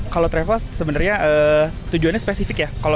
kalau travel sebenarnya tujuannya spesifik ya